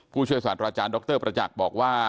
ผู้ช่วยศาสตราจารย์ดรประจักษ์บอกว่า